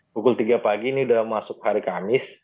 pukul tiga pagi ini sudah masuk hari kamis